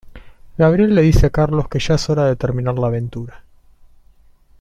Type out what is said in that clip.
Gabrielle le dice a Carlos que ya es hora de terminar la aventura.